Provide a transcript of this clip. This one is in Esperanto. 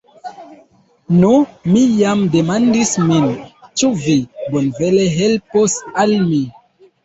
Nu, mi jam demandis min, ĉu vi bonvole helpos al mi?